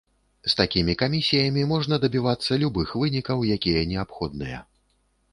З такімі камісіямі можна дабівацца любых вынікаў, якія неабходныя.